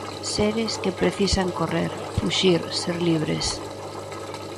Seres que precisan correr, fuxir, ser libres.